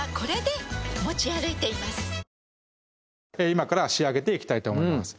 今から仕上げていきたいと思います